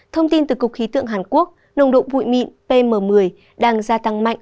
thông tin từ cục khí tượng hàn quốc nồng độ bụi mịn pm một mươi đang gia tăng mạnh